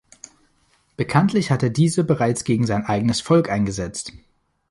Bekanntlich hat er diese bereits gegen sein eigenes Volk eingesetzt.